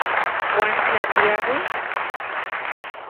¿Uan tla tiauij...?